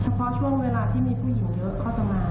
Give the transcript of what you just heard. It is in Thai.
เพราะช่วงเวลาที่มีผู้หญิงเยอะเขาจะมา